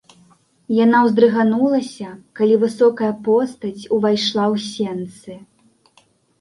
Яна ўздрыганулася, калі высокая постаць увайшла ў сенцы.